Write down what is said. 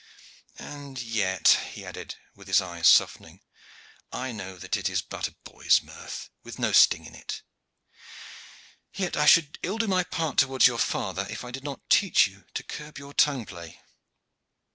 And yet," he added, his eyes softening, "I know that it is but a boy's mirth, with no sting in it. Yet I should ill do my part towards your father if I did not teach you to curb your tongue play."